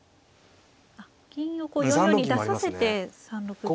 あっ銀を４四に出させて３六銀。